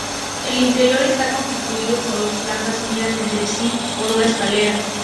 El interior está constituido por dos plantas unidas entre sí por una escalera.